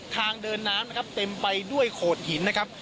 ทางเดินน้ำนะครับเต็มไปด้วยโขดหินนะครับ